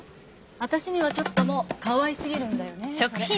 私にはちょっともうかわい過ぎるんだよねそれ。